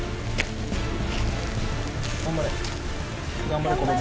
頑張れ。